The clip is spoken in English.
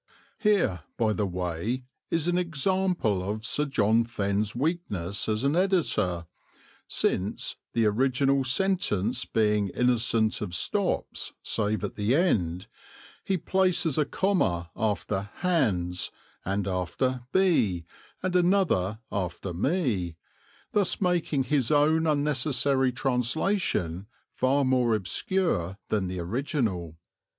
(Here, by the way, is an example of Sir John Fenn's weakness as an editor, since, the original sentence being innocent of stops save at the end, he places a comma after "hands," and after "be" and another after "me," thus making his own unnecessary translation far more obscure than the original.)